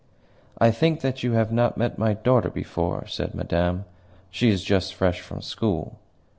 "I think that you have not met my daughter before?" said Madame. "She is just fresh from school."